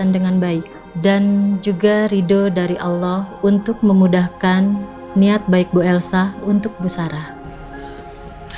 dan juga ridho dari allah untuk memudahkan niat baik bu elsa untuk bu sarah